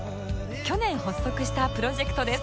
去年発足したプロジェクトです